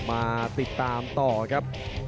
หมดยกที่สองครับ